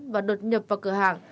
và đột nhập vào cửa hàng